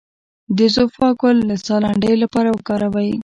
د زوفا ګل د ساه لنډۍ لپاره وکاروئ